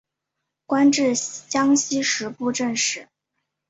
官至江西右布政使。